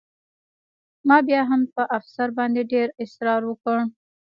ما بیا هم په افسر باندې ډېر اسرار وکړ